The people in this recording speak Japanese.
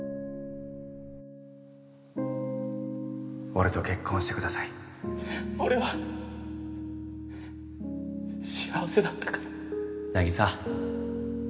俺と結婚してください俺は幸せだったから凪沙。